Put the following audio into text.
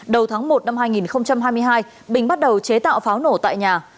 đầu tháng một năm hai nghìn hai mươi hai bình bắt đầu chế tạo pháo nổ tại nhà